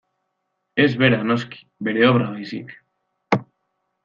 Ez bera, noski, bere obra baizik.